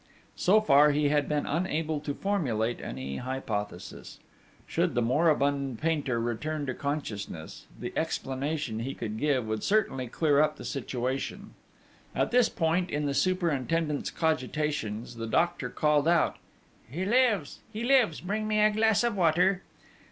So far he had been unable to formulate any hypothesis. Should the moribund painter return to consciousness, the explanation he could give would certainly clear up the situation. At this point in the superintendent's cogitations, the doctor called out: 'He lives! He lives! Bring me a glass of water!'